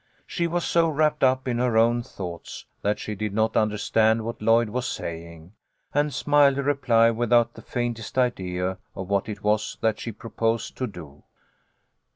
She was so wrapped up in her own thoughts that she did not understand what Lloyd was saying, and smiled a reply without the faintest idea of what it was that she proposed to do.